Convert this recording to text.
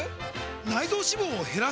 内臓脂肪を減らす！？